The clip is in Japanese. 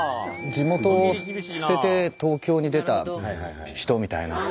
地元を捨てて東京に出た人みたいな。